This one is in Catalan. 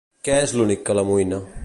Què és l'únic que l'amoïna?